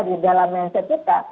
di dalam mindset kita